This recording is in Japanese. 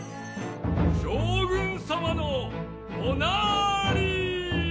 将軍様のおなり。